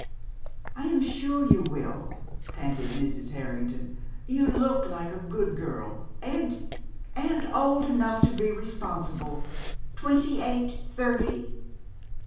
"I am sure you will," panted Mrs. Harrington. "You look like a good girl, and and old enough to be responsible twenty eight thirty?"